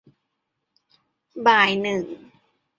บ่ายหนึ่ง